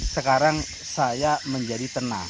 sekarang saya menjadi tenang